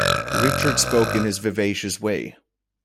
Richard spoke in his vivacious way.